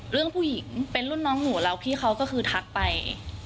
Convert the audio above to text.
เรื่องผู้หญิงเป็นรุ่นน้องหนูแล้วพี่เขาก็คือทักไป